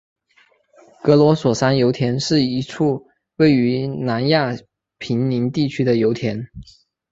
格罗索山油田是一处位于南亚平宁地区的油田。